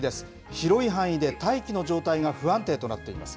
広い範囲で大気の状態が不安定となっています。